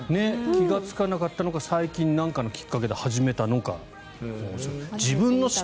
気がつかなかったのか最近、何かのきっかけで始めたのか。